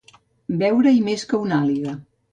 Veure-hi més que una àliga.